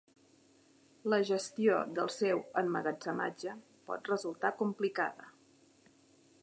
La gestió del seu emmagatzematge pot resultar complicada.